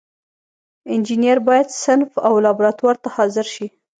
انجینر باید صنف او لابراتوار ته حاضر شي.